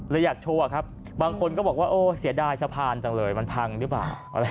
อยากโชว์ครับบางคนก็บอกว่าโอ้เสียดายสะพานจังเลยมันพังหรือเปล่า